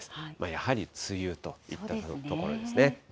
やはり梅雨といったところですね。